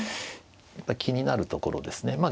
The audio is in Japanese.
やっぱり気になるところですね。